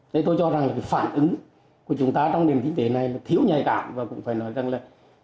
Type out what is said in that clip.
thế tôi cho rằng là cái phản ứng của chúng ta trong nền kinh tế này là thiếu nhạy cảm và cũng phải nói rằng là